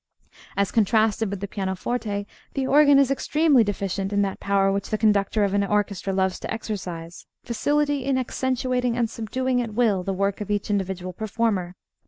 As contrasted with the pianoforte, the organ is extremely deficient in that power which the conductor of an orchestra loves to exercise facility in accentuating and in subduing at will the work of each individual performer.